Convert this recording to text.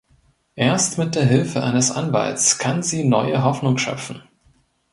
Erst mit der Hilfe eines Anwalts kann sie neue Hoffnung schöpfen.